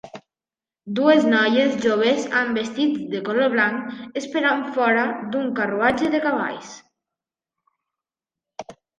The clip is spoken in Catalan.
Dues noies joves amb vestits de color blanc esperant fora d"un carruatge de cavalls.